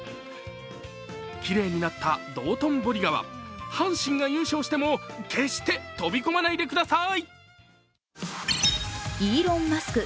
きれいになった道頓堀川、阪神が優勝しても決して飛び込まないでください。